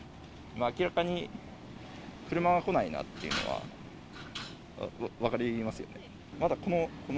明らかに車が来ないなっていうのは、分かりますよね。